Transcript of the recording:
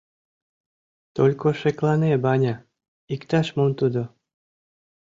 — Только шеклане, Ваня... иктаж-мом тудо...